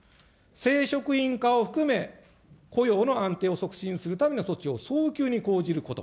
正職員化を含め、雇用の安定を促進するための措置を早急に講じること。